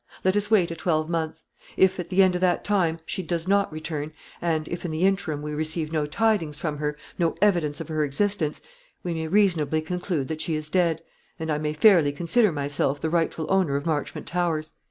Let us wait a twelvemonth. If at the end of that time, she does not return, and if in the interim we receive no tidings from her, no evidence of her existence, we may reasonably conclude that she is dead; and I may fairly consider myself the rightful owner of Marchmont Towers.